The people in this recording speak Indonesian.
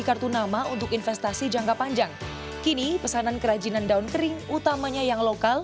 kartu nama untuk investasi jangka panjang kini pesanan kerajinan daun kering utamanya yang lokal